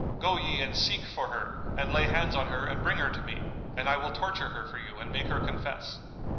Go ye and seek for her and lay hands on her and bring her to me, and I will torture her for you and make her confess."